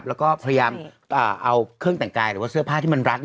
แล้วก็พยายามเอาเครื่องแต่งกายหรือว่าเสื้อผ้าที่มันรัด